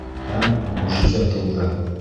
Һәм мөғжизә тыуҙы.